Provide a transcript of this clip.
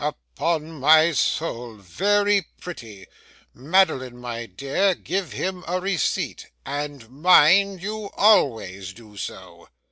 Upon my soul! Very pretty. Madeline, my dear, give him a receipt; and mind you always do so.